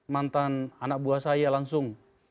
mantan anak buah saya langsung